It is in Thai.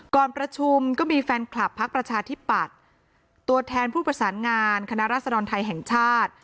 ก่อนประชุมก็มีแฟนคลับพักประชาธิปัตย์ตัวแทนผู้ประสานงานคณะรัศดรไทยแห่งชาติ